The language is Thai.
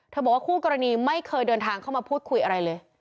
บอกว่าคู่กรณีไม่เคยเดินทางเข้ามาพูดคุยอะไรเลย